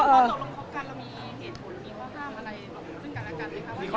ตอนตกลงคบกันเรามีเหตุผล